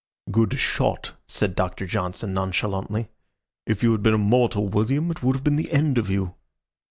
"Good shot," said Doctor Johnson, nonchalantly. "If you had been a mortal, William, it would have been the end of you."